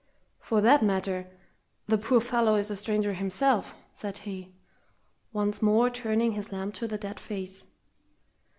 "For that matter, the poor fellow is a stranger himself," said he, once more turning his lamp on the dead face.